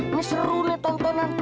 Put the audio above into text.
ini serunya tontonan